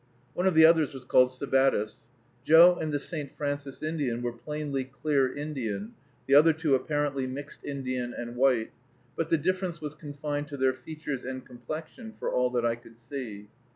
One of the others was called Sabattis. Joe and the St. Francis Indian were plainly clear Indian, the other two apparently mixed Indian and white; but the difference was confined to their features and complexion, for all that I could see.